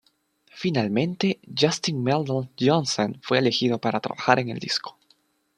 Finalmente, Justin Meldal-Johnsen fue elegido para trabajar en el disco.